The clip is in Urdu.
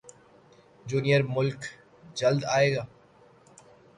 جونیئر ملک جلد ائے گا